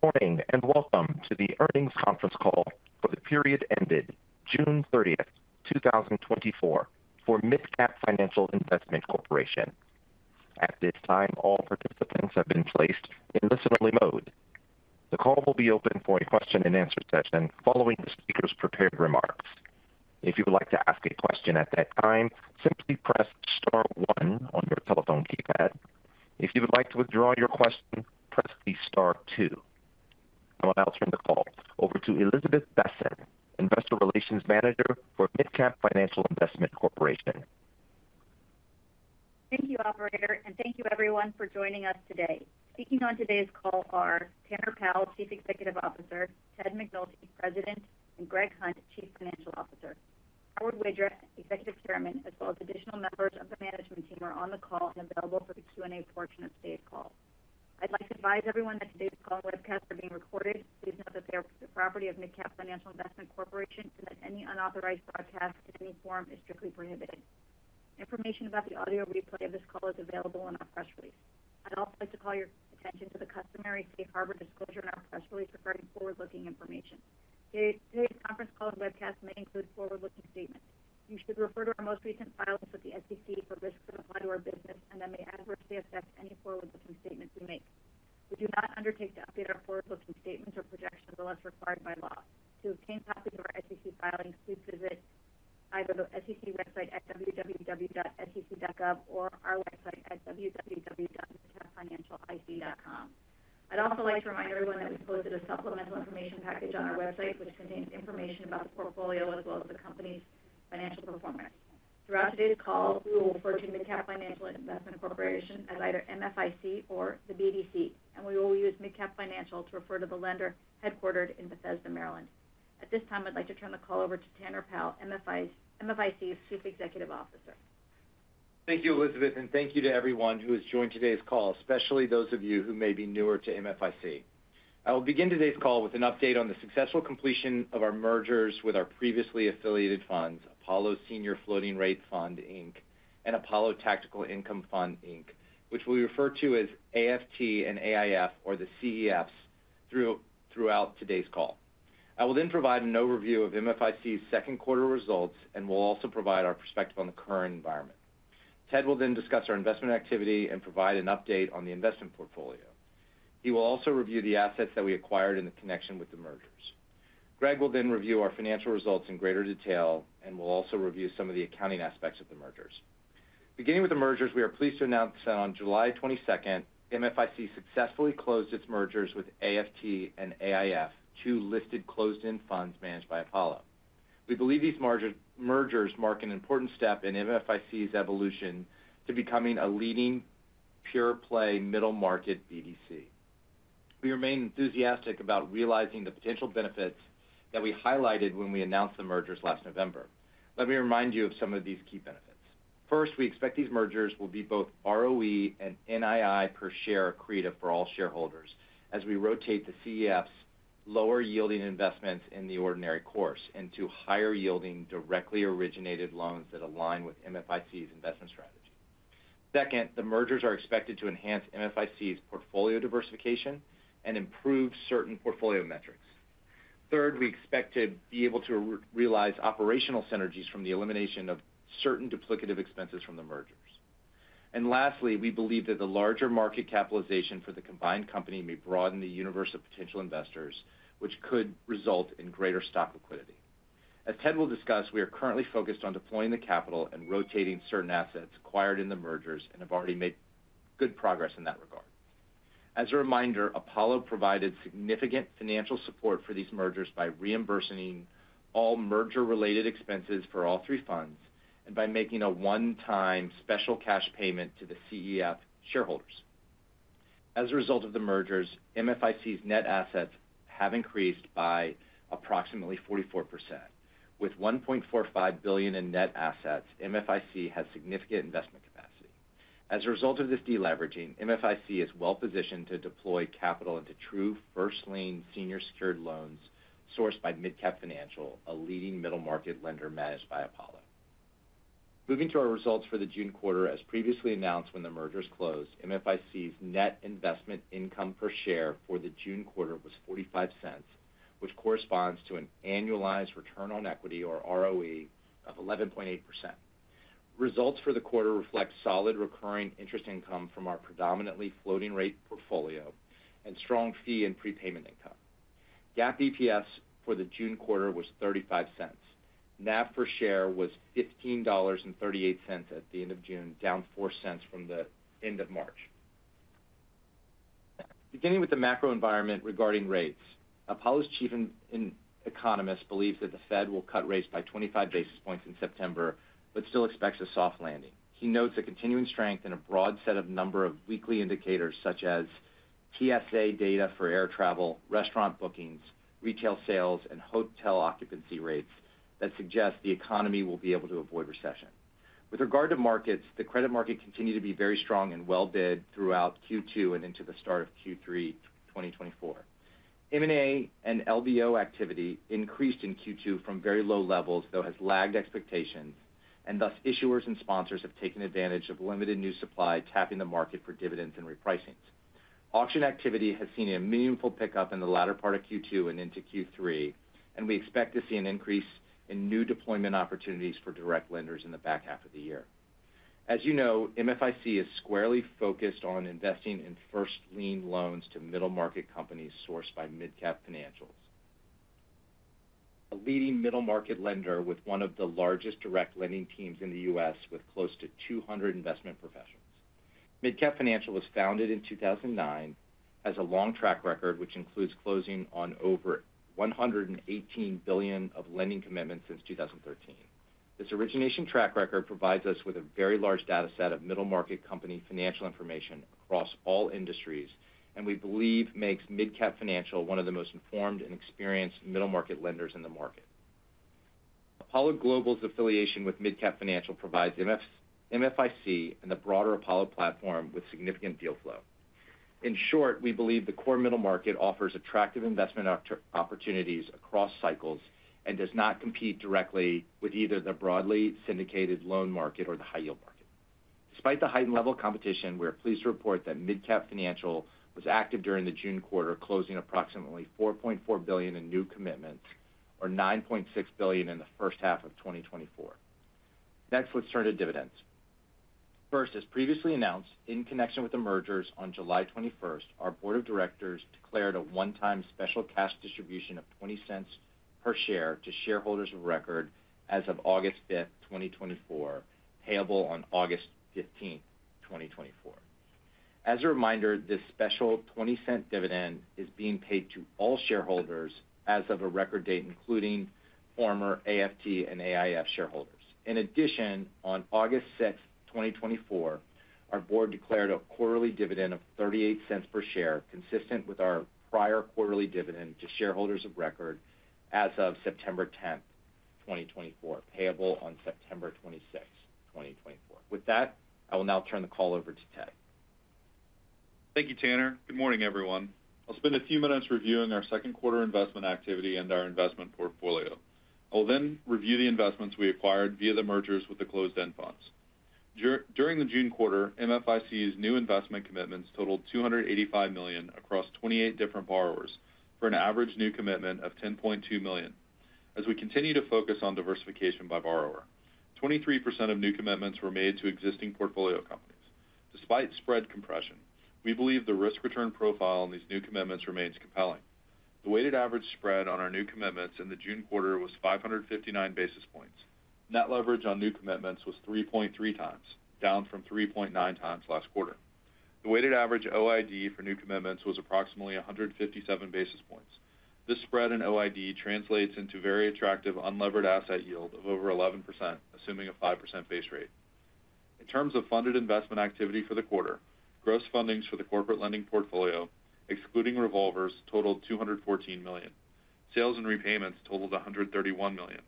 Good morning, and welcome to the earnings conference call for the period ended June 30th, 2024 for MidCap Financial Investment Corporation. At this time, all participants have been placed in listen-only mode. The call will be open for a question-and-answer session following the speaker's prepared remarks. If you would like to ask a question at that time, simply press star one on your telephone keypad. If you would like to withdraw your question, press the star two. I will now turn the call over to Elizabeth Besen, Investor Relations Manager for MidCap Financial Investment Corporation. Thank you, Operator, and thank you everyone for joining us today. Speaking on today's call are Tanner Powell, Chief Executive Officer, Ted McNulty, President, and Greg Hunt, Chief Financial Officer. Howard Widra, Executive Chairman, as well as additional members of the management team, are on the call and available for the Q&A portion of today's call. I'd like to advise everyone that today's call and webcast are being recorded. Please note that they are the property of MidCap Financial Investment Corporation, and that any unauthorized broadcast in any form is strictly prohibited. Information about the audio replay of this call is available on our press release. I'd also like to call your attention to the customary Safe Harbor disclosure in our press release regarding forward-looking information. Today, today's conference call and webcast may include forward-looking statements. You should refer to our most recent filings with the SEC for risks that apply to our business Apollo Senior Floating Rate Fund, Inc. and Apollo Tactical Income Fund, Inc., which we refer to as AFT and AIF or the CEFs throughout today's call. I will then provide an overview of MFIC's second quarter results, and we'll also provide our perspective on the current environment. Ted will then discuss our investment activity and provide an update on the investment portfolio. He will also review the assets that we acquired in connection with the mergers. Greg will then review our financial results in greater detail and will also review some of the accounting aspects of the mergers. Beginning with the mergers, we are pleased to announce that on July twenty-second, MFIC successfully closed its mergers with AFT and AIF, two listed, closed-end funds managed by Apollo. We believe these mergers mark an important step in MFIC's evolution to becoming a leading pure-play middle-market BDC. We remain enthusiastic about realizing the potential benefits that we highlighted when we announced the mergers last November. Let me remind you of some of these key benefits. First, we expect these mergers will be both ROE and NII per share accretive for all shareholders as we rotate the CEF's lower-yielding investments in the ordinary course into higher-yielding, directly originated loans that align with MFIC's investment strategy. Second, the mergers are expected to enhance MFIC's portfolio diversification and improve certain portfolio metrics. Third, we expect to be able to re-realize operational synergies from the elimination of certain duplicative expenses from the mergers. And lastly, we believe that the larger market capitalization for the combined company may broaden the universe of potential investors, which could result in greater stock liquidity. As Ted will discuss, we are currently focused on deploying the capital and rotating certain assets acquired in the mergers and have already made good progress in that regard. As a reminder, Apollo provided significant financial support for these mergers by reimbursing all merger-related expenses for all three funds, and by making a one-time special cash payment to the CEF shareholders. As a result of the mergers, MFIC's net assets have increased by approximately 44%. With $1.45 billion in net assets, MFIC has significant investment capacity. As a result of this deleveraging, MFIC is well positioned to deploy capital into true first lien senior secured loans sourced by MidCap Financial, a leading middle-market lender managed by Apollo. Moving to our results for the June quarter, as previously announced, when the mergers closed, MFIC's net investment income per share for the June quarter was $0.45, which corresponds to an annualized return on equity, or ROE, of 11.8%. Results for the quarter reflect solid recurring interest income from our predominantly floating rate portfolio and strong fee and prepayment income. GAAP EPS for the June quarter was $0.35. NAV per share was $15.38 at the end of June, down $0.04 from the end of March. Beginning with the macro environment regarding rates, Apollo's chief economist believes that the Fed will cut rates by 25 basis points in September, but still expects a soft landing. He notes a continuing strength in a broad set of number of weekly indicators, such as TSA data for air travel, restaurant bookings, retail sales, and hotel occupancy rates that suggest the economy will be able to avoid recession. With regard to markets, the credit market continued to be very strong and well bid throughout Q2 and into the start of Q3 2024. M&A and LBO activity increased in Q2 from very low levels, though has lagged expectations.... and thus, issuers and sponsors have taken advantage of limited new supply, tapping the market for dividends and repricings. Auction activity has seen a meaningful pickup in the latter part of Q2 and into Q3, and we expect to see an increase in new deployment opportunities for direct lenders in the back half of the year. As you know, MFIC is squarely focused on investing in first lien loans to middle-market companies sourced by MidCap Financial. A leading middle-market lender with one of the largest direct lending teams in the U.S., with close to 200 investment professionals. MidCap Financial was founded in 2009, has a long track record, which includes closing on over $118 billion of lending commitments since 2013. This origination track record provides us with a very large data set of middle-market company financial information across all industries, and we believe makes MidCap Financial one of the most informed and experienced middle-market lenders in the market. Apollo Global's affiliation with MidCap Financial provides MFIC and the broader Apollo platform with significant deal flow. In short, we believe the core middle market offers attractive investment opportunities across cycles, and does not compete directly with either the broadly syndicated loan market or the high yield market. Despite the heightened level of competition, we are pleased to report that MidCap Financial was active during the June quarter, closing approximately $4.4 billion in new commitments, or $9.6 billion in the first half of 2024. Next, let's turn to dividends. First, as previously announced, in connection with the mergers on July 21, 2024, our board of directors declared a one-time special cash distribution of $0.20 per share to shareholders of record as of August 5th, 2024, payable on August 15, 2024. As a reminder, this special $0.20 dividend is being paid to all shareholders as of a record date, including former AFT and AIF shareholders. In addition, on August 6, 2024, our board declared a quarterly dividend of $0.38 per share, consistent with our prior quarterly dividend to shareholders of record as of September 10, 2024, payable on September 26, 2024. With that, I will now turn the call over to Ted. Thank you, Tanner. Good morning, everyone. I'll spend a few minutes reviewing our second quarter investment activity and our investment portfolio. I'll then review the investments we acquired via the mergers with the closed-end funds. During the June quarter, MFIC's new investment commitments totaled $285 million across 28 different borrowers, for an average new commitment of $10.2 million. As we continue to focus on diversification by borrower, 23% of new commitments were made to existing portfolio companies. Despite spread compression, we believe the risk-return profile on these new commitments remains compelling. The weighted average spread on our new commitments in the June quarter was 559 basis points. Net leverage on new commitments was 3.3x, down from 3.9x last quarter. The weighted average OID for new commitments was approximately 157 basis points. This spread in OID translates into very attractive unlevered asset yield of over 11%, assuming a 5% base rate. In terms of funded investment activity for the quarter, gross fundings for the corporate lending portfolio, excluding revolvers, totaled $214 million. Sales and repayments totaled $131 million.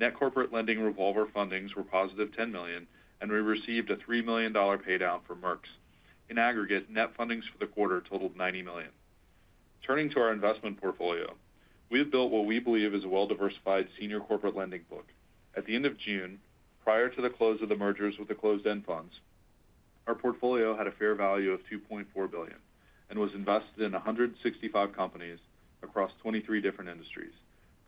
Net corporate lending revolver fundings were positive $10 million, and we received a $3 million paydown for MERX. In aggregate, net fundings for the quarter totaled $90 million. Turning to our investment portfolio, we have built what we believe is a well-diversified senior corporate lending book. At the end of June, prior to the close of the mergers with the closed-end funds, our portfolio had a fair value of $2.4 billion and was invested in 165 companies across 23 different industries.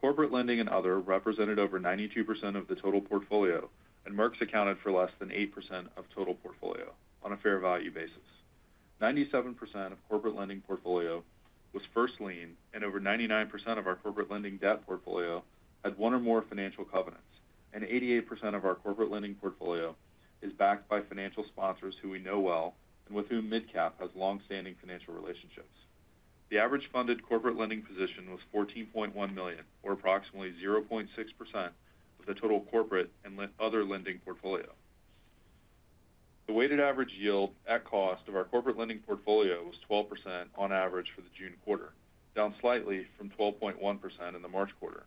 Corporate lending and other represented over 92% of the total portfolio, and MERX accounted for less than 8% of total portfolio on a fair value basis. 97% of corporate lending portfolio was first lien, and over 99% of our corporate lending debt portfolio had one or more financial covenants, and 88% of our corporate lending portfolio is backed by financial sponsors who we know well, and with whom MidCap has long-standing financial relationships. The average funded corporate lending position was $14.1 million, or approximately 0.6% of the total corporate lending and other lending portfolio. The weighted average yield at cost of our corporate lending portfolio was 12% on average for the June quarter, down slightly from 12.1% in the March quarter.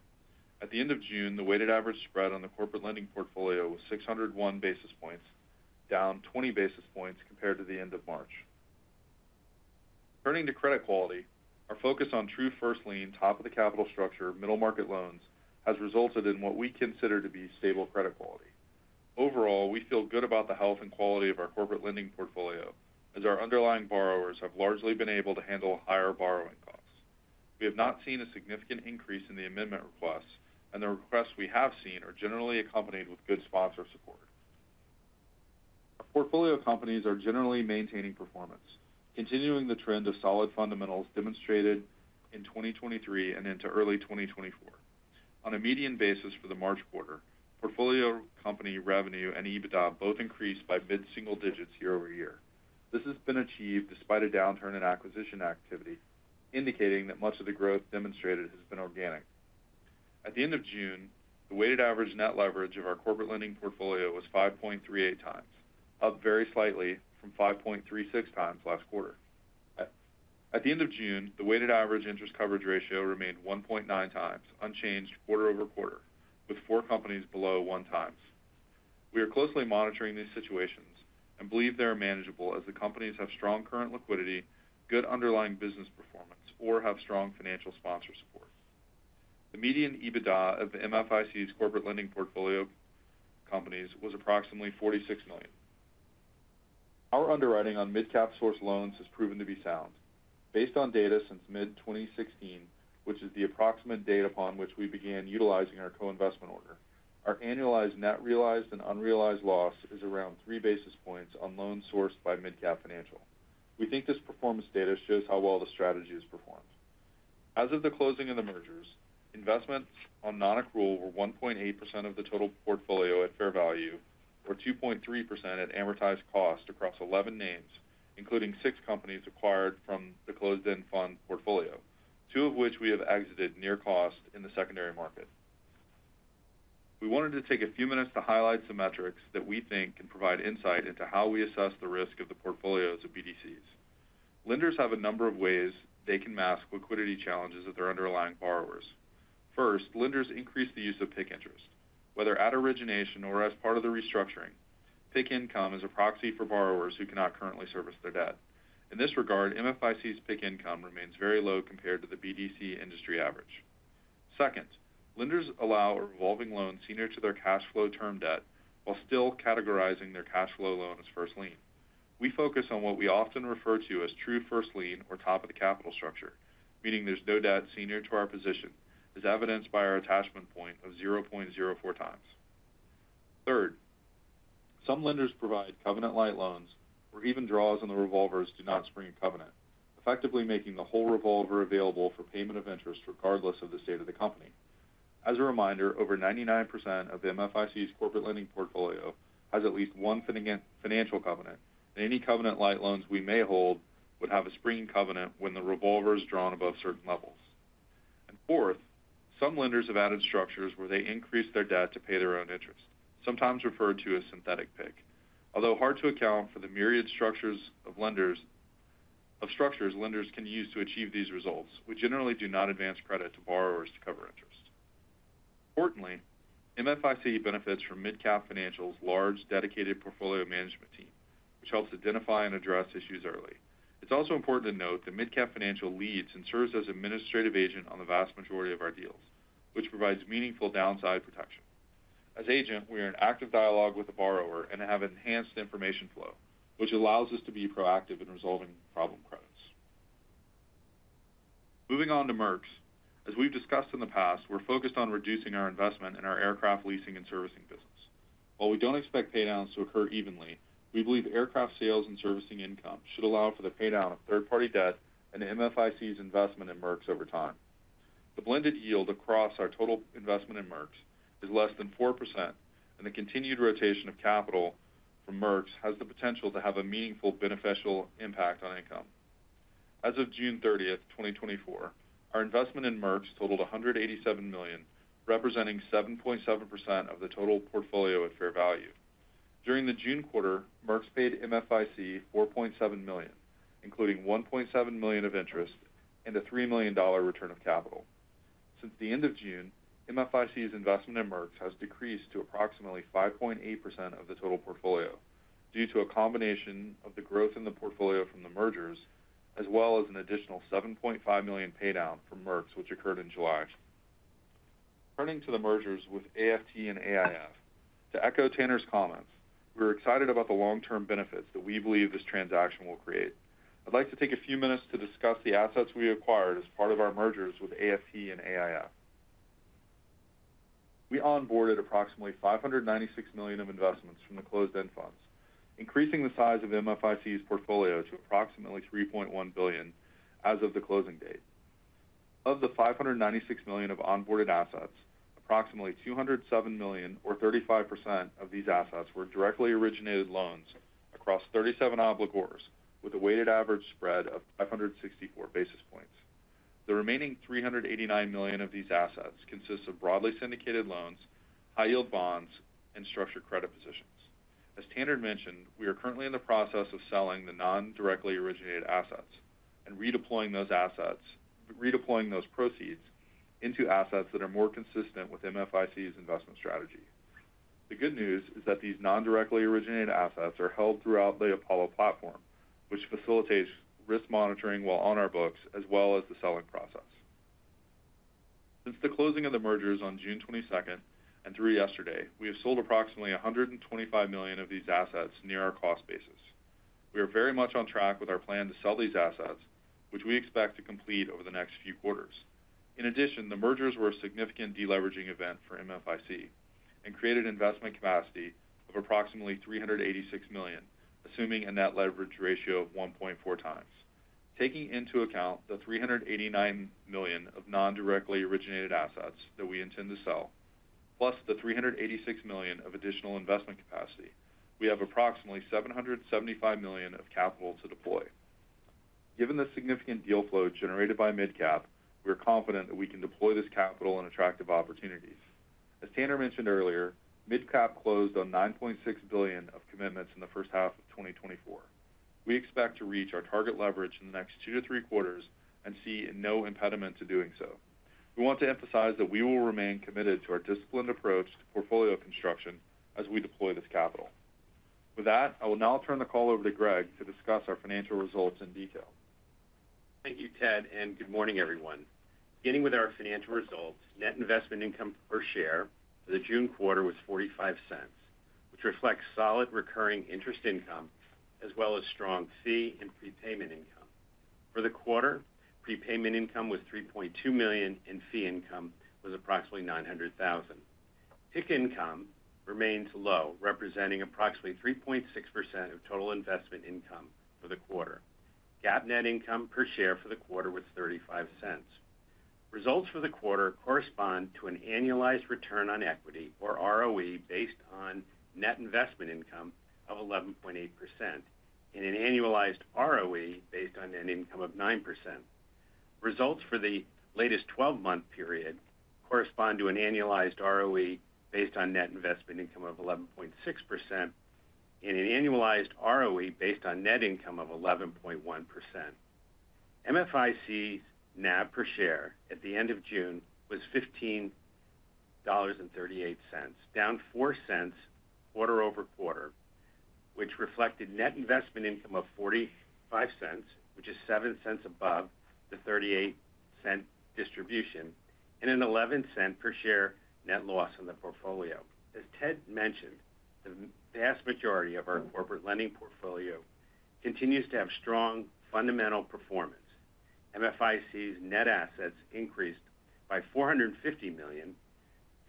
At the end of June, the weighted average spread on the corporate lending portfolio was 601 basis points, down 20 basis points compared to the end of March. Turning to credit quality, our focus on true first lien, top of the capital structure, middle-market loans, has resulted in what we consider to be stable credit quality. Overall, we feel good about the health and quality of our corporate lending portfolio, as our underlying borrowers have largely been able to handle higher borrowing costs. We have not seen a significant increase in the amendment requests, and the requests we have seen are generally accompanied with good sponsor support. Our portfolio companies are generally maintaining performance, continuing the trend of solid fundamentals demonstrated in 2023 and into early 2024. On a median basis for the March quarter, portfolio company revenue and EBITDA both increased by mid-single digits year-over-year. This has been achieved despite a downturn in acquisition activity, indicating that much of the growth demonstrated has been organic. At the end of June, the weighted average net leverage of our corporate lending portfolio was 5.38x, up very slightly from 5.36x last quarter. At the end of June, the weighted average interest coverage ratio remained 1.9x, unchanged quarter-over-quarter, with 4 companies below 1x. We are closely monitoring these situations and believe they are manageable, as the companies have strong current liquidity, good underlying business performance, or have strong financial sponsor support. The median EBITDA of MFIC's corporate lending portfolio companies was approximately $46 million. Our underwriting on MidCap source loans has proven to be sound. Based on data since mid-2016, which is the approximate date upon which we began utilizing our co-investment order, our annualized net realized and unrealized loss is around 3 basis points on loans sourced by MidCap Financial. We think this performance data shows how well the strategy has performed. As of the closing of the mergers, investments on nonaccrual were 1.8% of the total portfolio at fair value, or 2.3% at amortized cost across 11 names, including six companies acquired from the closed-end fund portfolio, two of which we have exited near cost in the secondary market. We wanted to take a few minutes to highlight some metrics that we think can provide insight into how we assess the risk of the portfolios of BDCs. Lenders have a number of ways they can mask liquidity challenges of their underlying borrowers. First, lenders increase the use of PIK interest, whether at origination or as part of the restructuring. PIK income is a proxy for borrowers who cannot currently service their debt. In this regard, MFIC's PIK income remains very low compared to the BDC industry average. Second, lenders allow a revolving loan senior to their cash flow term debt while still categorizing their cash flow loan as first lien. We focus on what we often refer to as true first lien or top of the capital structure, meaning there's no debt senior to our position, as evidenced by our attachment point of 0.04x. Third, some lenders provide covenant-light loans, where even draws on the revolvers do not spring a covenant, effectively making the whole revolver available for payment of interest, regardless of the state of the company. As a reminder, over 99% of the MFIC's corporate lending portfolio has at least one financial covenant, and any covenant light loans we may hold would have a springing covenant when the revolver is drawn above certain levels. And fourth, some lenders have added structures where they increase their debt to pay their own interest, sometimes referred to as synthetic PIK. Although hard to account for the myriad structures lenders can use to achieve these results, we generally do not advance credit to borrowers to cover interest. Importantly, MFIC benefits from MidCap Financial's large, dedicated portfolio management team, which helps identify and address issues early. It's also important to note that MidCap Financial leads and serves as administrative agent on the vast majority of our deals, which provides meaningful downside protection. As agent, we are in active dialogue with the borrower and have enhanced information flow, which allows us to be proactive in resolving problem credits. Moving on to MERX. As we've discussed in the past, we're focused on reducing our investment in our aircraft leasing and servicing business. While we don't expect paydowns to occur evenly, we believe aircraft sales and servicing income should allow for the paydown of third-party debt and MFIC's investment in MERX over time. The blended yield across our total investment in MERX is less than 4%, and the continued rotation of capital from MERX has the potential to have a meaningful, beneficial impact on income. As of June 30th, 2024, our investment in MERX totaled $187 million, representing 7.7% of the total portfolio at fair value. During the June quarter, MERX paid MFIC $4.7 million, including $1.7 million of interest and a $3 million return of capital. Since the end of June, MFIC's investment in MERX has decreased to approximately 5.8% of the total portfolio due to a combination of the growth in the portfolio from the mergers, as well as an additional $7.5 million paydown from MERX, which occurred in July. Turning to the mergers with AFT and AIF. To echo Tanner's comments, we're excited about the long-term benefits that we believe this transaction will create. I'd like to take a few minutes to discuss the assets we acquired as part of our mergers with AFT and AIF. We onboarded approximately $596 million of investments from the closed-end funds, increasing the size of MFIC's portfolio to approximately $3.1 billion as of the closing date. Of the $596 million of onboarded assets, approximately $207 million, or 35% of these assets, were directly originated loans across 37 obligors, with a weighted average spread of 564 basis points. The remaining $389 million of these assets consists of broadly syndicated loans, high-yield bonds, and structured credit positions. As Tanner mentioned, we are currently in the process of selling the non-directly originated assets and redeploying those assets, redeploying those proceeds into assets that are more consistent with MFIC's investment strategy. The good news is that these non-directly originated assets are held throughout the Apollo platform, which facilitates risk monitoring while on our books, as well as the selling process. Since the closing of the mergers on June 22nd and through yesterday, we have sold approximately $125 million of these assets near our cost basis. We are very much on track with our plan to sell these assets, which we expect to complete over the next few quarters. In addition, the mergers were a significant deleveraging event for MFIC and created investment capacity of approximately $386 million, assuming a net leverage ratio of 1.4x. Taking into account the $389 million of non-directly originated assets that we intend to sell, plus the $386 million of additional investment capacity, we have approximately $775 million of capital to deploy. Given the significant deal flow generated by MidCap, we are confident that we can deploy this capital in attractive opportunities. As Tanner mentioned earlier, MidCap closed on $9.6 billion of commitments in the first half of 2024. We expect to reach our target leverage in the next two to three quarters and see no impediment to doing so. We want to emphasize that we will remain committed to our disciplined approach to portfolio construction as we deploy this capital.... With that, I will now turn the call over to Greg to discuss our financial results in detail. Thank you, Ted, and good morning, everyone. Beginning with our financial results, net investment income per share for the June quarter was $0.45, which reflects solid recurring interest income as well as strong fee and prepayment income. For the quarter, prepayment income was $3.2 million, and fee income was approximately $900,000. PIK income remains low, representing approximately 3.6% of total investment income for the quarter. GAAP net income per share for the quarter was $0.35. Results for the quarter correspond to an annualized return on equity or ROE based on net investment income of 11.8% and an annualized ROE based on net income of 9%. Results for the latest 12-month period correspond to an annualized ROE based on net investment income of 11.6% and an annualized ROE based on net income of 11.1%. MFIC's NAV per share at the end of June was $15.38, down 4 cents quarter-over-quarter, which reflected net investment income of $0.45, which is 7 cents above the 38-cent distribution, and an 11-cent per share net loss on the portfolio. As Ted mentioned, the vast majority of our corporate lending portfolio continues to have strong fundamental performance. MFIC's net assets increased by $450 million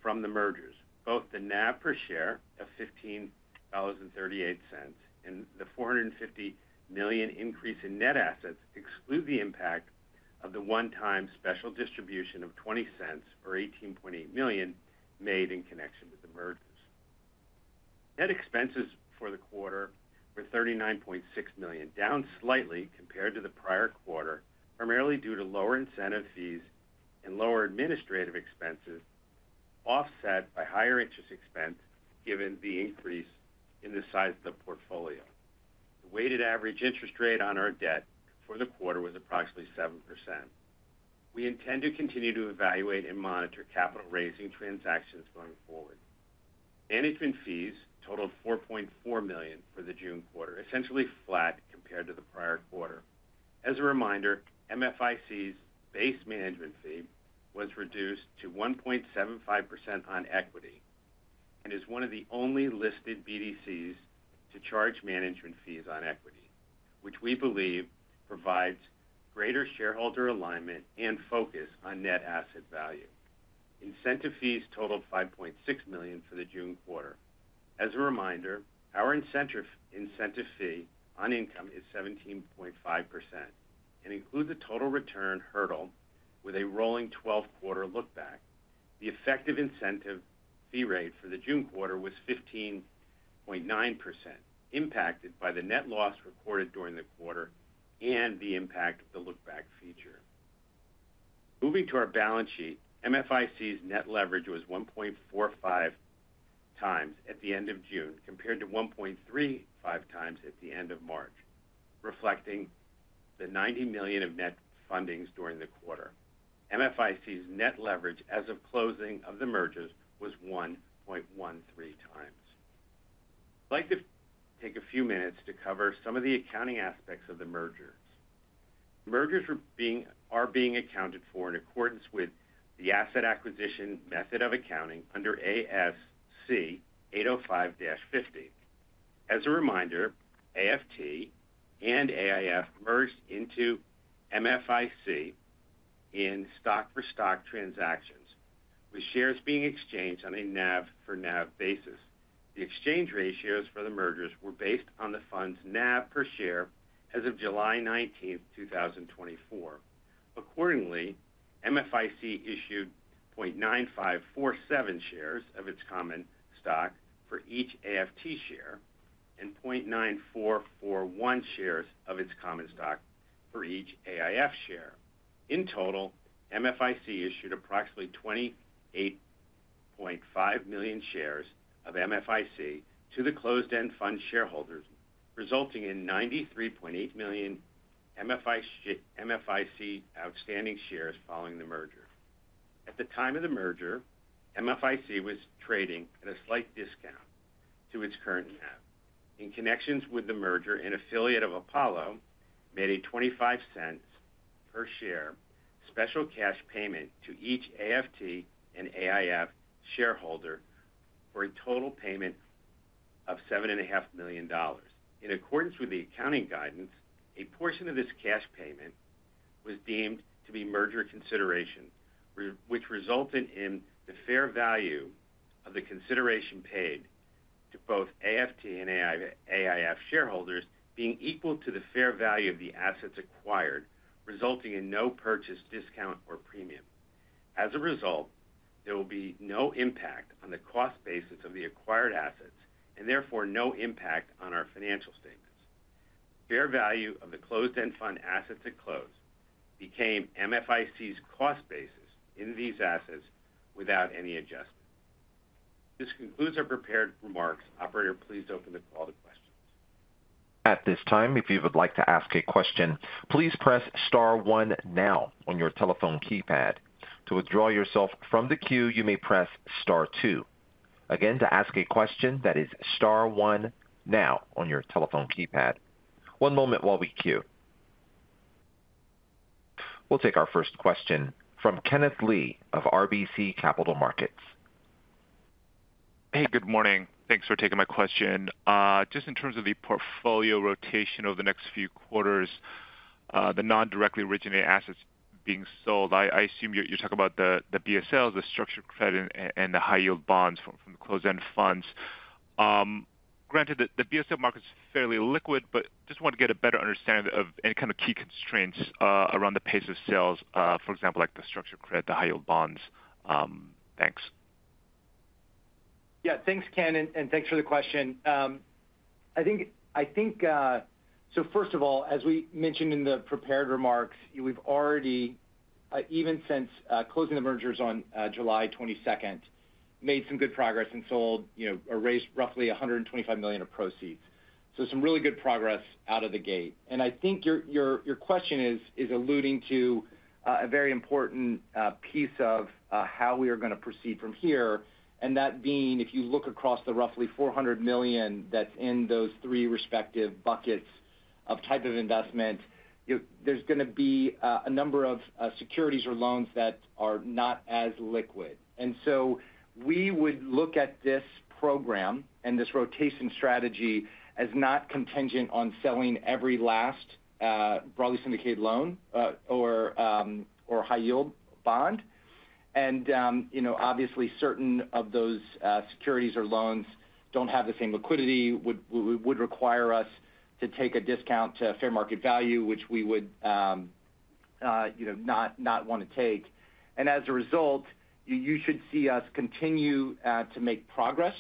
from the mergers. Both the NAV per share of $15.38, and the $450 million increase in net assets exclude the impact of the one-time special distribution of $0.20, or $18.8 million, made in connection with the mergers. Net expenses for the quarter were $39.6 million, down slightly compared to the prior quarter, primarily due to lower incentive fees and lower administrative expenses, offset by higher interest expense given the increase in the size of the portfolio. The weighted average interest rate on our debt for the quarter was approximately 7%. We intend to continue to evaluate and monitor capital raising transactions going forward. Management fees totaled $4.4 million for the June quarter, essentially flat compared to the prior quarter. As a reminder, MFIC's base management fee was reduced to 1.75% on equity and is one of the only listed BDCs to charge management fees on equity, which we believe provides greater shareholder alignment and focus on net asset value. Incentive fees totaled $5.6 million for the June quarter. As a reminder, our incentive fee on income is 17.5% and includes a total return hurdle with a rolling 12-quarter look-back. The effective incentive fee rate for the June quarter was 15.9%, impacted by the net loss recorded during the quarter and the impact of the look-back feature. Moving to our balance sheet, MFIC's net leverage was 1.45x at the end of June, compared to 1.35x at the end of March, reflecting the $90 million of net fundings during the quarter. MFIC's net leverage as of closing of the mergers was 1.13x. I'd like to take a few minutes to cover some of the accounting aspects of the merger. Mergers are being accounted for in accordance with the asset acquisition method of accounting under ASC 805-50. As a reminder, AFT and AIF merged into MFIC in stock-for-stock transactions, with shares being exchanged on a NAV-for-NAV basis. The exchange ratios for the mergers were based on the fund's NAV per share as of July 19, 2024. Accordingly, MFIC issued 0.9547 shares of its common stock for each AFT share and 0.9441 shares of its common stock for each AIF share. In total, MFIC issued approximately 28.5 million shares of MFIC to the closed-end fund shareholders, resulting in 93.8 million MFIC, MFIC outstanding shares following the merger. At the time of the merger, MFIC was trading at a slight discount to its current NAV. In connection with the merger, an affiliate of Apollo made a $0.25 per share special cash payment to each AFT and AIF shareholder for a total payment of $7.5 million. In accordance with the accounting guidance, a portion of this cash payment was deemed to be merger consideration, which resulted in the fair value of the consideration paid to both AFT and AIF shareholders being equal to the fair value of the assets acquired, resulting in no purchase discount or premium. As a result, there will be no impact on the cost basis of the acquired assets and therefore no impact on our financial statements. Fair value of the closed-end fund assets at close became MFIC's cost basis in these assets without any adjustment. This concludes our prepared remarks. Operator, please open the call to questions.... At this time, if you would like to ask a question, please press star one now on your telephone keypad. To withdraw yourself from the queue, you may press star two. Again, to ask a question, that is star one now on your telephone keypad. One moment while we queue. We'll take our first question from Kenneth Lee of RBC Capital Markets. Hey, good morning. Thanks for taking my question. Just in terms of the portfolio rotation over the next few quarters, the non-directly originated assets being sold, I assume you're talking about the BSLs, the structured credit, and the high-yield bonds from the closed-end funds. Granted that the BSL market is fairly liquid, but just want to get a better understanding of any kind of key constraints around the pace of sales, for example, like the structured credit, the high-yield bonds. Thanks. Yeah, thanks, Ken, and thanks for the question. I think, so first of all, as we mentioned in the prepared remarks, we've already, even since closing the mergers on July 22nd, made some good progress and sold, you know, or raised roughly $125 million of proceeds. So some really good progress out of the gate. And I think your question is alluding to a very important piece of how we are going to proceed from here. And that being, if you look across the roughly $400 million that's in those three respective buckets of type of investment, you know, there's going to be a number of securities or loans that are not as liquid. We would look at this program and this rotation strategy as not contingent on selling every last broadly syndicated loan or high-yield bond. You know, obviously, certain of those securities or loans don't have the same liquidity, would require us to take a discount to fair market value, which we would, you know, not want to take. And as a result, you should see us continue to make progress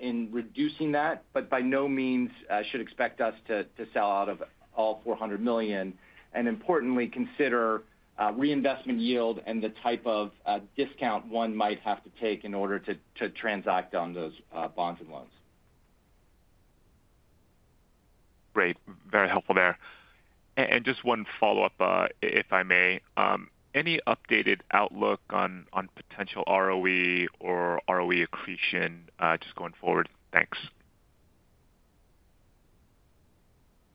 in reducing that, but by no means should expect us to sell out of all $400 million, and importantly, consider reinvestment yield and the type of discount one might have to take in order to transact on those bonds and loans. Great. Very helpful there. And just one follow-up, if I may. Any updated outlook on potential ROE or ROE accretion, just going forward? Thanks.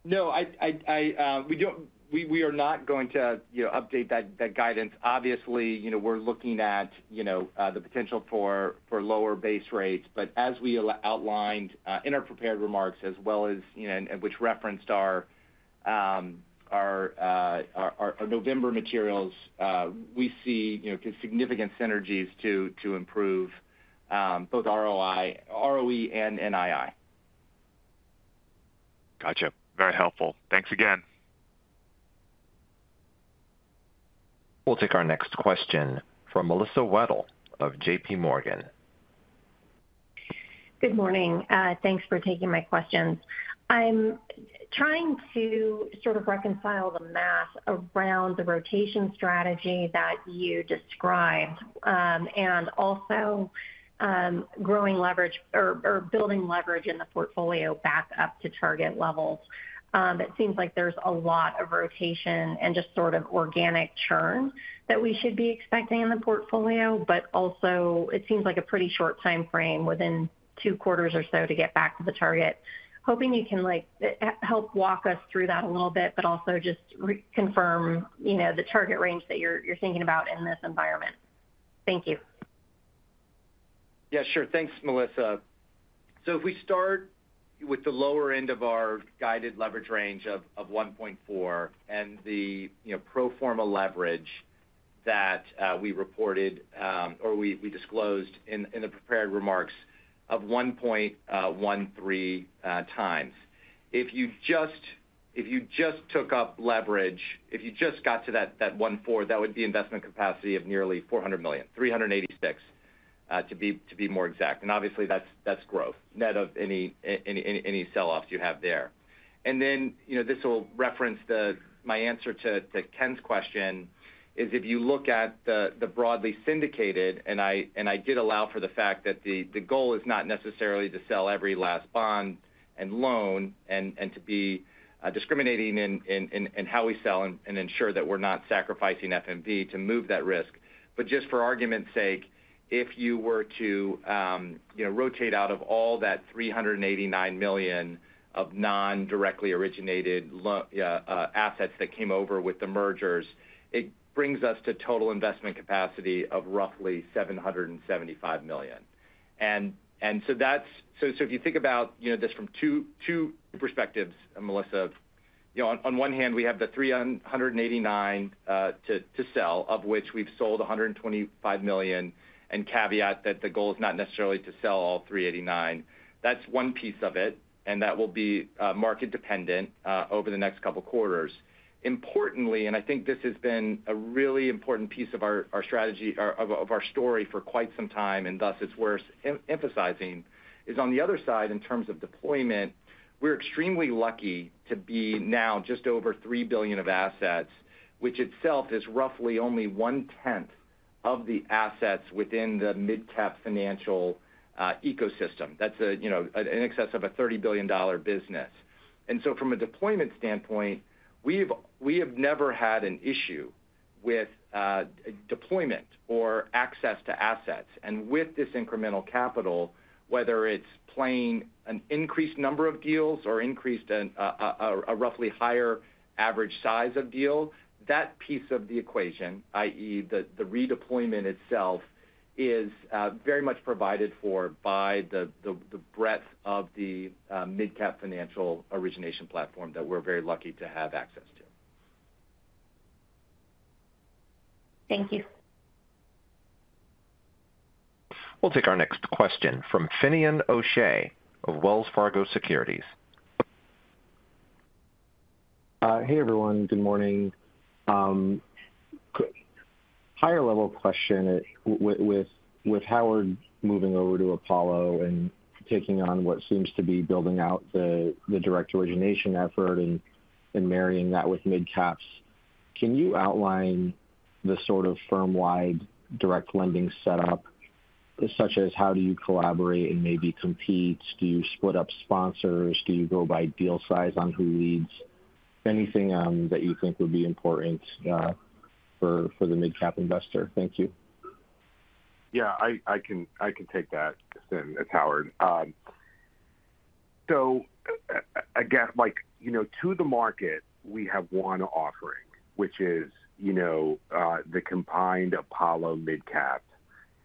No, we don't—we are not going to, you know, update that guidance. Obviously, you know, we're looking at, you know, the potential for lower base rates. But as we outlined in our prepared remarks, as well as, you know, and which referenced our November materials, we see, you know, significant synergies to improve both ROI, ROE, and NII. Gotcha. Very helpful. Thanks again. We'll take our next question from Melissa Wedel of JP Morgan. Good morning. Thanks for taking my questions. I'm trying to sort of reconcile the math around the rotation strategy that you described, and also growing leverage or building leverage in the portfolio back up to target levels. It seems like there's a lot of rotation and just sort of organic churn that we should be expecting in the portfolio, but also it seems like a pretty short time frame within two quarters or so to get back to the target. Hoping you can, like, help walk us through that a little bit, but also just re-confirm, you know, the target range that you're thinking about in this environment. Thank you. Yeah, sure. Thanks, Melissa. So if we start with the lower end of our guided leverage range of 1.4 and the, you know, pro forma leverage that we reported, or we disclosed in the prepared remarks of 1.13x. If you just took up leverage, if you just got to that 1.4, that would be investment capacity of nearly $400 million, $386 to be more exact. And obviously, that's growth, net of any sell-offs you have there. Then, you know, this will reference the my answer to Ken's question is, if you look at the broadly syndicated, and I did allow for the fact that the goal is not necessarily to sell every last bond and loan and to be discriminating in how we sell and ensure that we're not sacrificing FMV to move that risk. But just for argument's sake, if you were to, you know, rotate out of all that $389 million of non-directly originated assets that came over with the mergers, it brings us to total investment capacity of roughly $775 million. So if you think about, you know, this from two perspectives, Melissa, you know, on one hand, we have the 389 to sell, of which we've sold $125 million, and caveat that the goal is not necessarily to sell all 389. That's one piece of it, and that will be market dependent over the next couple of quarters. Importantly, and I think this has been a really important piece of our strategy, or of our story for quite some time, and thus it's worth emphasizing, is on the other side, in terms of deployment, we're extremely lucky to be now just over $3 billion of assets, which itself is roughly only one-tenth of the assets within the MidCap Financial ecosystem. That's, you know, an excess of a $30 billion business. And so from a deployment standpoint, we have never had an issue with deployment or access to assets. And with this incremental capital, whether it's playing an increased number of deals or increased a roughly higher average size of deals, that piece of the equation, i.e., the redeployment itself, is very much provided for by the breadth of the MidCap Financial origination platform that we're very lucky to have access to. Thank you. We'll take our next question from Finian O'Shea of Wells Fargo Securities. Hey, everyone. Good morning. Higher level question with Howard moving over to Apollo and taking on what seems to be building out the direct origination effort and marrying that with MidCap's, can you outline the sort of firm-wide direct lending setup, such as how do you collaborate and maybe compete? Do you split up sponsors? Do you go by deal size on who leads? Anything that you think would be important for the MidCap investor? Thank you. Yeah, I can take that, Finian. It's Howard. So, again, like, you know, to the market, we have one offering, which is, you know, the combined Apollo MidCap,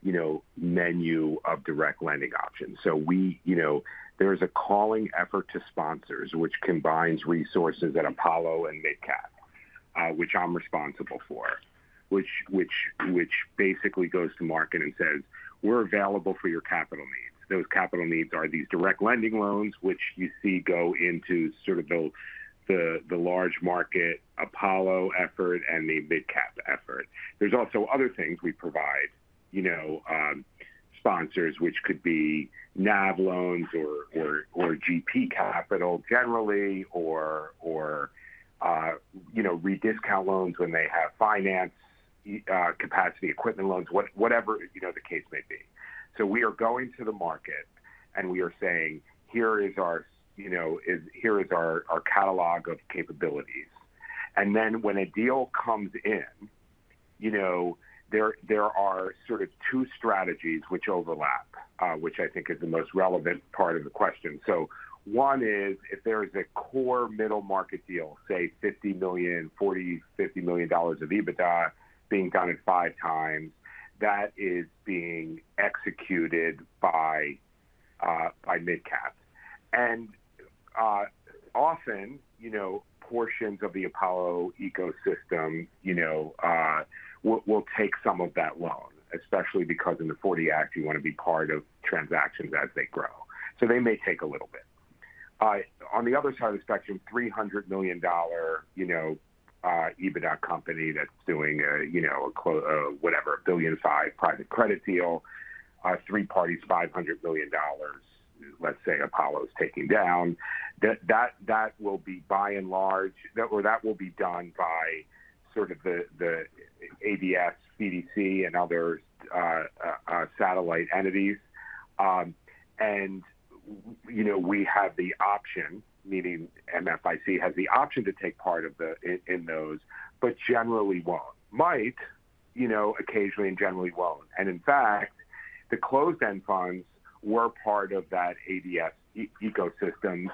you know, menu of direct lending options. So we, you know, there is a calling effort to sponsors, which combines resources at Apollo and MidCap, which I'm responsible for, which basically goes to market and says, "We're available for your capital needs." Those capital needs are these direct lending loans, which you see go into sort of the large market Apollo effort and the MidCap effort. There's also other things we provide, you know, sponsors, which could be NAV loans or GP capital generally, or, you know, rediscount loans when they have finance capacity, equipment loans, whatever, you know, the case may be. So we are going to the market, and we are saying, "Here is our, you know, here is our catalog of capabilities." And then when a deal comes in, you know, there are sort of two strategies which overlap, which I think is the most relevant part of the question. So one is if there is a core middle-market deal, say $40-$50 million dollars of EBITDA being done at 5x, that is being executed by MidCap. And often, you know, portions of the Apollo ecosystem, you know, will take some of that loan, especially because in the '40 Act, you wanna be part of transactions as they grow. So they may take a little bit. On the other side of the spectrum, $300 million, you know, EBITDA company that's doing a, you know, a whatever, a $1.5 billion private credit deal, three parties, $500 million, let's say Apollo's taking down. That will be by and large, or that will be done by sort of the, the ABS, BDC, and other, satellite entities. And you know, we have the option, meaning MFIC has the option to take part of the, in those, but generally won't. Might, you know, occasionally and generally won't. And in fact, the closed-end funds were part of that ABS ecosystem,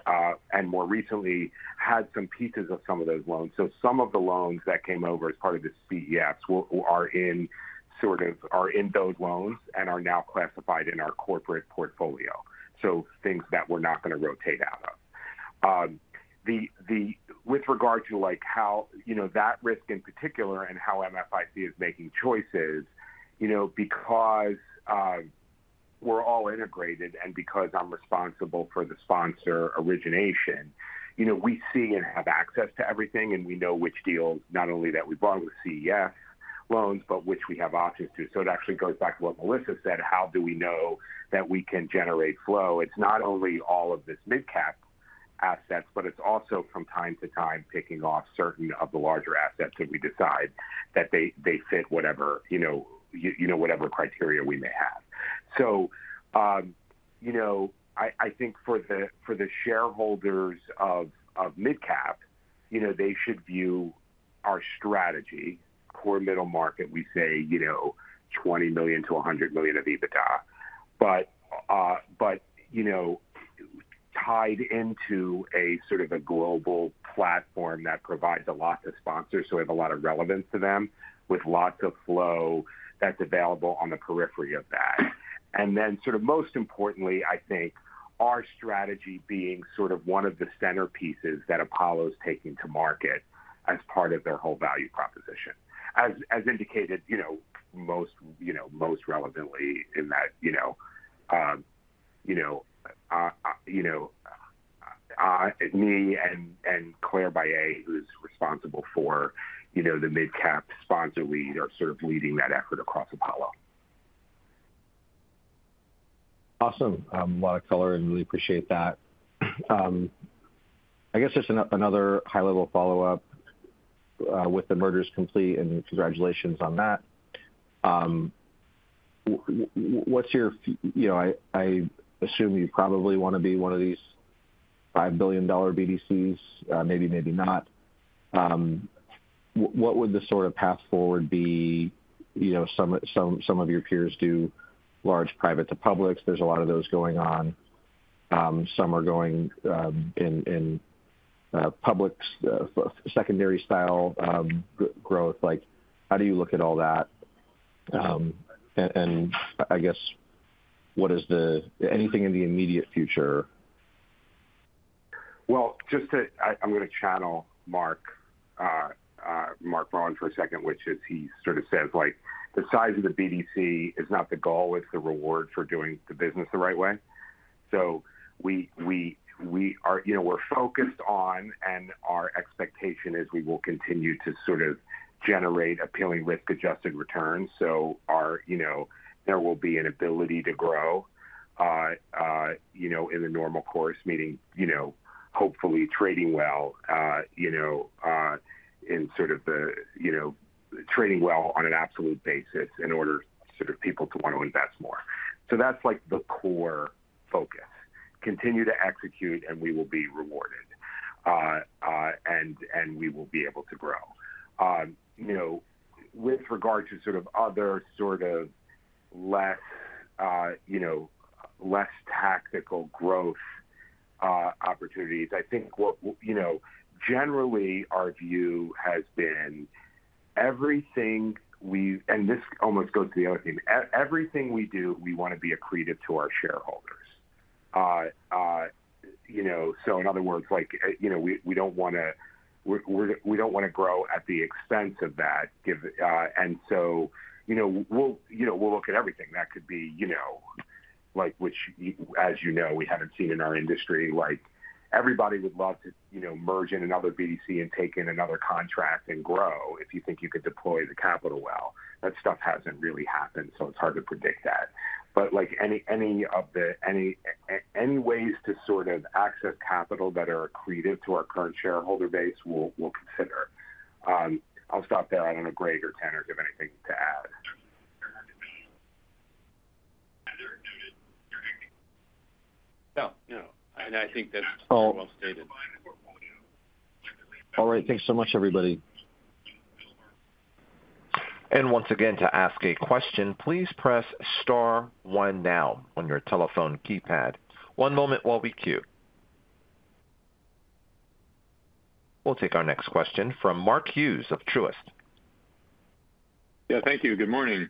and more recently had some pieces of some of those loans. So some of the loans that came over as part of the CEF are in sort of those loans and are now classified in our corporate portfolio, so things that we're not gonna rotate out of. With regard to, like, how, you know, that risk in particular and how MFIC is making choices, you know, because we're all integrated and because I'm responsible for the sponsor origination, you know, we see and have access to everything, and we know which deals, not only that we bought with CEF loans, but which we have options to. So it actually goes back to what Melissa said, how do we know that we can generate flow? It's not only all of this MidCap assets, but it's also from time to time, picking off certain of the larger assets if we decide that they fit whatever, you know, you know, whatever criteria we may have. So, you know, I think for the shareholders of MidCap, you know, they should view our strategy, core middle market, we say, you know, $20 million-$100 million of EBITDA. But, you know, tied into a sort of a global platform that provides a lot to sponsors, so we have a lot of relevance to them, with lots of flow that's available on the periphery of that. And then sort of most importantly, I think our strategy being sort of one of the centerpieces that Apollo's taking to market as part of their whole value proposition. As indicated, you know, most relevantly in that, you know, me and Clare Bailhe, who's responsible for, you know, the MidCap sponsor lead, are sort of leading that effort across Apollo.... Awesome. A lot of color, and really appreciate that. I guess just another high-level follow-up, with the mergers complete, and congratulations on that. What's your – you know, I, I assume you probably want to be one of these $5 billion BDCs, maybe, maybe not. What would the sort of path forward be? You know, some of, some, some of your peers do large private to publics. There's a lot of those going on. Some are going, in, in, publics, secondary style, growth. Like, how do you look at all that? And, and I guess, what is the... anything in the immediate future? Well, just to, I'm going to channel Mark Bourgeois for a second, which is he sort of says, like, "The size of the BDC is not the goal, it's the reward for doing the business the right way." So we are, you know, we're focused on, and our expectation is we will continue to sort of generate appealing risk-adjusted returns. So our, you know, there will be an ability to grow, you know, in the normal course, meaning, you know, hopefully trading well, you know, in sort of the, you know, trading well on an absolute basis in order sort of people to want to invest more. So that's, like, the core focus. Continue to execute, and we will be rewarded, and we will be able to grow. You know, with regard to sort of other sort of less, you know, less tactical growth opportunities, I think what, you know, generally, our view has been everything we've, and this almost goes to the other thing. Everything we do, we want to be accretive to our shareholders. You know, so in other words, like, you know, we don't want to grow at the expense of that, give... And so, you know, we'll look at everything that could be, you know, like, which, as you know, we haven't seen in our industry. Like, everybody would love to, you know, merge in another BDC and take in another contract and grow, if you think you could deploy the capital well. That stuff hasn't really happened, so it's hard to predict that. But like, any ways to sort of access capital that are accretive to our current shareholder base, we'll consider. I'll stop there. I don't know if Greg or Tanner have anything to add. No, no. And I think that's- Oh. -well stated. All right. Thanks so much, everybody. Once again, to ask a question, please press star one now on your telephone keypad. One moment while we queue. We'll take our next question from Mark Hughes of Truist. Yeah, thank you. Good morning. I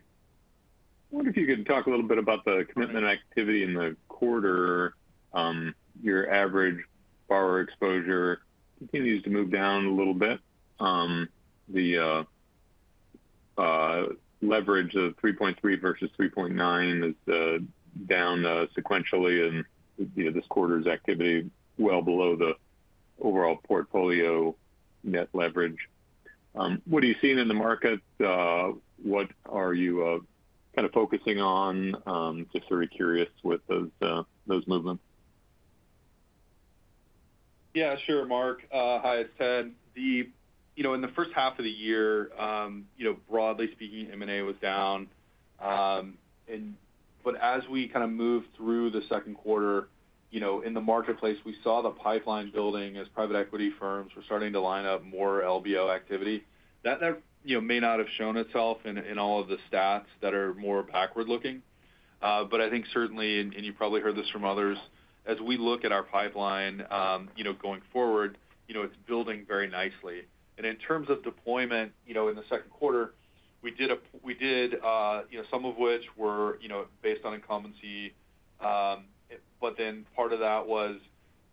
wonder if you could talk a little bit about the commitment activity in the quarter. Your average borrower exposure continues to move down a little bit. The leverage of 3.3 versus 3.9 is down sequentially in, you know, this quarter's activity, well below the overall portfolio net leverage. What are you seeing in the market? What are you kind of focusing on? Just very curious with those movements. Yeah, sure, Mark. Hi, it's Ted. You know, in the first half of the year, you know, broadly speaking, M&A was down. And but as we kind of moved through the second quarter, you know, in the marketplace, we saw the pipeline building as private equity firms were starting to line up more LBO activity. That, you know, may not have shown itself in all of the stats that are more backward-looking. But I think certainly, and you probably heard this from others, as we look at our pipeline, you know, going forward, you know, it's building very nicely. And in terms of deployment, you know, in the second quarter, we did, you know, some of which were, you know, based on incumbency. But then part of that was,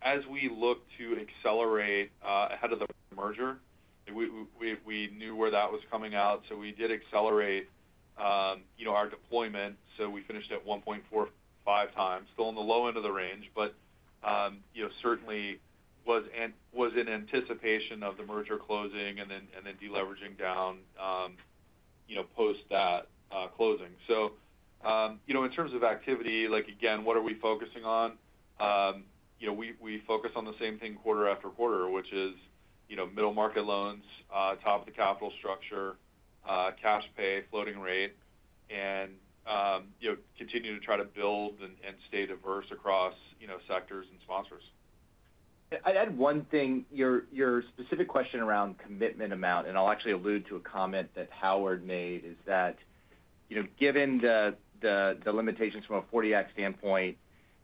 as we looked to accelerate ahead of the merger, we knew where that was coming out, so we did accelerate, you know, our deployment. So we finished at 1.45x, still on the low end of the range, but you know, certainly was in anticipation of the merger closing and then deleveraging down, you know, post that closing. So, you know, in terms of activity, like, again, what are we focusing on? You know, we focus on the same thing quarter after quarter, which is, you know, middle market loans, top of the capital structure, cash pay, floating rate, and you know, continue to try to build and stay diverse across, you know, sectors and sponsors. I'd add one thing. Your specific question around commitment amount, and I'll actually allude to a comment that Howard made, is that, you know, given the limitations from a 1940 Act standpoint,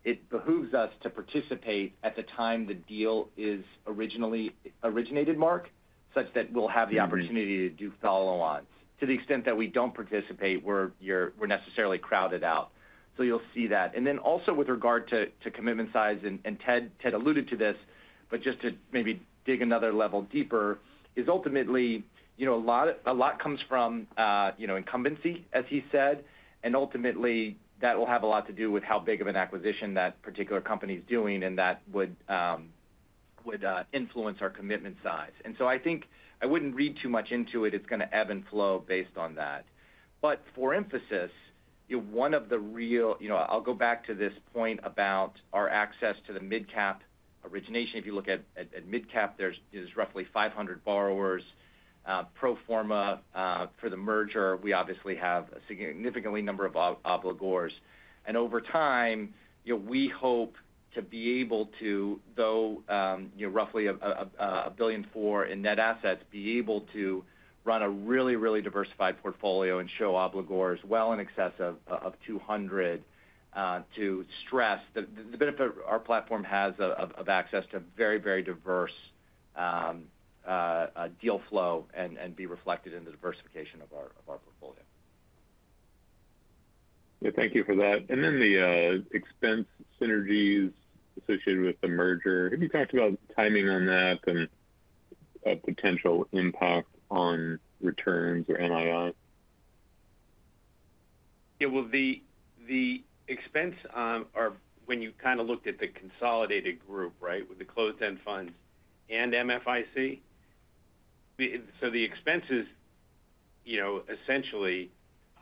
it behooves us to participate at the time the deal is originally originated, Mark, such that we'll have the opportunity- Mm-hmm. to do follow-ons. To the extent that we don't participate, we're, you're, we're necessarily crowded out. So you'll see that. And then also with regard to commitment size, and Ted alluded to this, but just to maybe dig another level deeper, ultimately, you know, a lot comes from you know, incumbency, as he said. And ultimately, that will have a lot to do with how big of an acquisition that particular company is doing, and that would... would influence our commitment size. And so I think I wouldn't read too much into it. It's going to ebb and flow based on that. But for emphasis, one of the real, you know, I'll go back to this point about our access to the MidCap origination. If you look at MidCap, there's roughly 500 borrowers. Pro forma for the merger, we obviously have a significantly number of obligors. Over time, you know, we hope to be able to, though, roughly $1 billion worth in net assets, be able to run a really, really diversified portfolio and show obligors well in excess of 200 to stress the benefit our platform has of access to very, very diverse deal flow and be reflected in the diversification of our portfolio. Yeah, thank you for that. And then the expense synergies associated with the merger. Can you talk about timing on that and a potential impact on returns or NIIs? Yeah, well, the expense are when you kind of looked at the consolidated group, right, with the closed-end funds and MFIC. So the expenses, you know, essentially,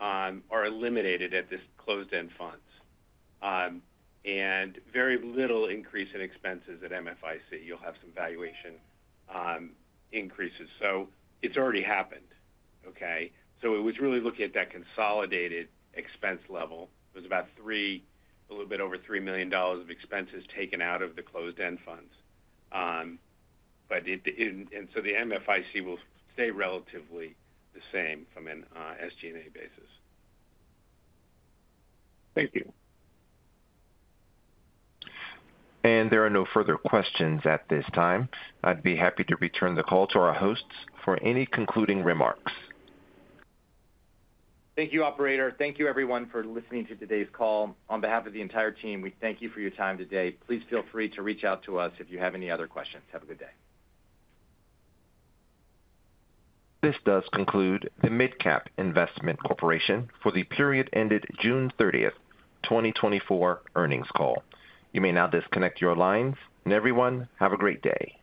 are eliminated at this closed-end funds, and very little increase in expenses at MFIC. You'll have some valuation increases, so it's already happened. Okay? So it was really looking at that consolidated expense level. It was about $3 million, a little bit over $3 million of expenses taken out of the closed-end funds. But so the MFIC will stay relatively the same from an SGNA basis. Thank you. There are no further questions at this time. I'd be happy to return the call to our hosts for any concluding remarks. Thank you, operator. Thank you everyone for listening to today's call. On behalf of the entire team, we thank you for your time today. Please feel free to reach out to us if you have any other questions. Have a good day. This does conclude the MidCap Financial Investment Corporation for the period ended June 30th, 2024 earnings call. You may now disconnect your lines, and everyone, have a great day.